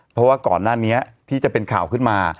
เพราะว่าก่อนหน้านี้ที่จะเป็นข่าวขึ้นมา